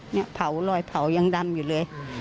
เนี่ยเผารอยเผายังดำอยู่เลย